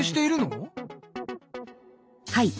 はい。